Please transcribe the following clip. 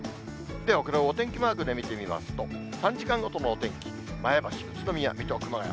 では、お天気マークで見てみますと、３時間ごとのお天気、前橋、宇都宮、水戸、熊谷。